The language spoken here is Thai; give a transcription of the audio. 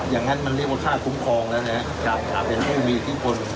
อย่างงั้นมันเรียกว่าค่าคุ้มครองแล้วเนี้ยครับถ้าเป็นผู้มีอีกที่คน